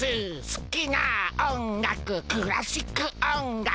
すきな音楽クラシック音楽